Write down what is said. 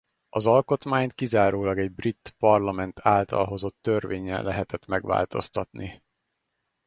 Az alkotmányt kizárólag egy brit parlament által hozott törvénnyel lehetett megváltoztatni.